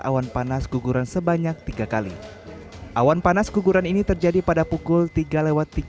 awan panas guguran sebanyak tiga kali awan panas guguran ini terjadi pada pukul tiga lewat tiga puluh